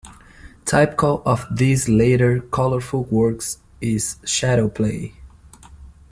Typical of these later colourful works is "Shadow Play".